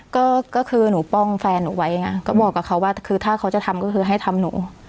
ก็คือหนูป้องแฟนหนูไว้ไงก็บอกกับเขาว่าคือถ้าเขาจะทำก็คือให้ทำหนู